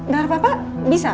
darah papa bisa